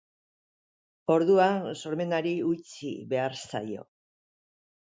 Orduan sormenari utzi behar zaio.